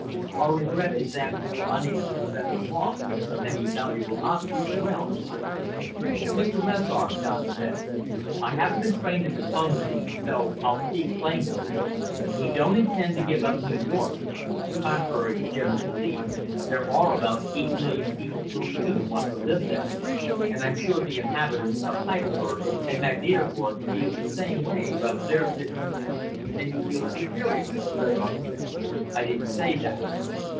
"Our regret is that we were unable to prevent the loss of many valuable objects as well," he said. "Mr. Rezar," Don said, "I haven't been trained in diplomacy so I'll speak plainly. We don't intend to give up New York. Contrary to general belief, there are about eight million people who do want to live there. And I'm sure the inhabitants of Heidelberg and Magnitogorsk feel the same way about their cities." "Then you yield Superior," Rezar said. "I didn't say that."